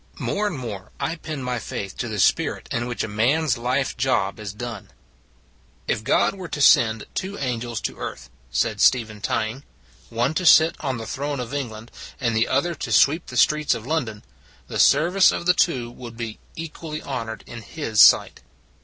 More and more I pin my faith to the spirit in which a man s life job is done. " If God were to send two angels to earth," said Stephen Tying, " one to sit on the throne of England and the other to sweep the streets of London, the service of the two would be equally honored in His sight."